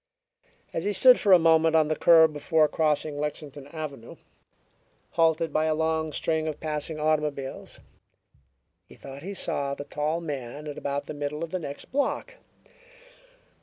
As he stood for a moment on the curb before crossing Lexington Avenue, halted by a long string of passing automobiles, he thought he saw the tall man at about the middle of the next block.